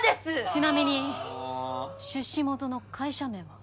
ちなみに出資元の会社名は？